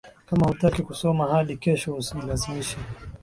Kama hutaki kusoma hadi kesho usijilazimishe